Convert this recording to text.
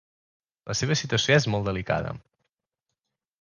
La seva situació és molt delicada.